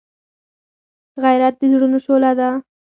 غیرت د زړونو شعله ده